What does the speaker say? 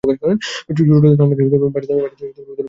ছোট্ট থান্ডারকে বাঁচাতে তুমি উদারতা দেখিয়েছ।